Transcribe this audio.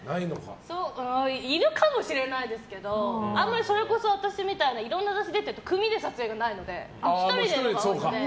いるかもしれないですけどあまり、それこそ私みたいに雑誌出ていると組みで撮影がないので１人でやるので。